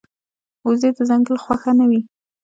وزې د ځنګل خوښه نه وي